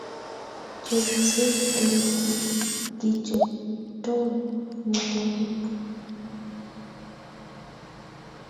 Chobisiet ole kichoptoi amitwogik